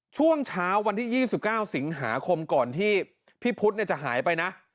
ช่วงเช้าวันที่๒๙สิงหาคมก่อนที่พี่พุทธจะหายไปนะ